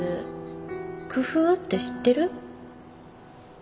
工夫って知ってる？